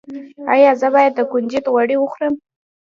ایا زه باید د کنجد غوړي وخورم؟